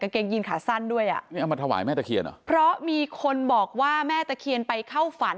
เกงยีนขาสั้นด้วยอ่ะนี่เอามาถวายแม่ตะเคียนเหรอเพราะมีคนบอกว่าแม่ตะเคียนไปเข้าฝัน